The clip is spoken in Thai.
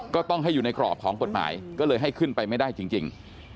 ก็ต้องให้อยู่ในกรอบของกฎหมายก็เลยให้ขึ้นไปไม่ได้จริง